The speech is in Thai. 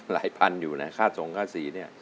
ลัยพันอยู่นะค่าสมค่าสีนี่